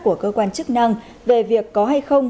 của cơ quan chức năng về việc có hay không